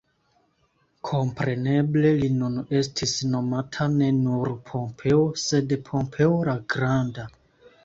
Kompreneble, li nun estis nomata ne nur Pompeo, sed Pompeo la Granda.